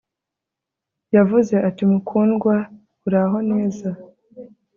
yavuze ati 'mukundwa, uraho neza